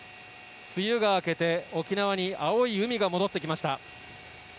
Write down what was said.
梅雨が明けて沖縄に青い海が戻ってきました。